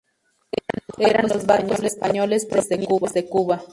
Eran los barcos españoles provenientes de Cuba.